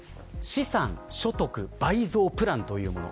資産所得倍増プランというもの。